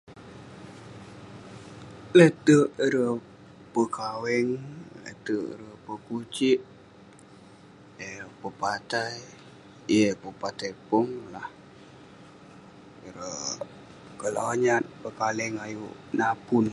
Le'terk ireh pekaweng, le'terk ireh pekusik, eh..pepatai, yeng eh pepatai pong lah, ireh kelonyat pekaleng ayuk napun